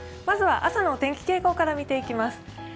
まずは朝のお天気傾向から見ていきます。